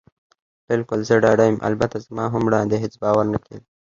بلکل، زه ډاډه یم. البته زما هم وړاندې هېڅ باور نه کېده.